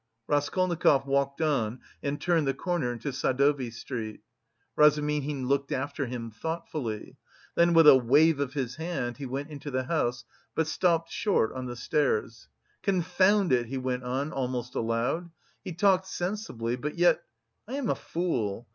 Raskolnikov walked on and turned the corner into Sadovy Street. Razumihin looked after him thoughtfully. Then with a wave of his hand he went into the house but stopped short of the stairs. "Confound it," he went on almost aloud. "He talked sensibly but yet... I am a fool!